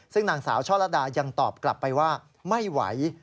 ซึ่งนางสาวช่อระดายังตอบกลับไปว่าไม่ไหว